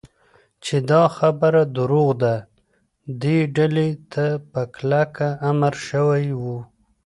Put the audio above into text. چې دا خبره دروغ ده، دې ډلې ته په کلکه امر شوی و.